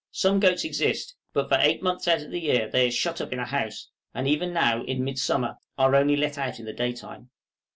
Some goats exist, but for eight months out of the year they are shut up in a house, and even now in midsummer, are only let out in the daytime.